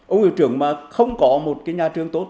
ông hiệu trưởng mà không có một cái nhà trường tốt